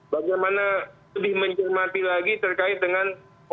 bagaimana lebih menjelmati lagi terkait dengan hakim